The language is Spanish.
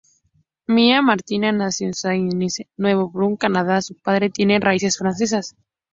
Mia Martina nació en Saint-Ignace, Nuevo Brunswick, Canadá, su padre tiene raíces francesas.